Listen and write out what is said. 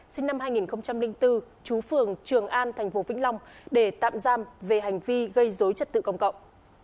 sinh năm hai nghìn bốn chú phường trường an thành phố vĩnh long để tạm giam về hành vi gây dối chất tự công cộng